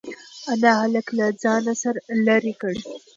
انا هلک له ځانه لرې کړ.